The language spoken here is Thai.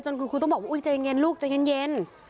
จนคุณคุณต้องบอกว่าอุ๊ยจะเย็นลูกจะเย็น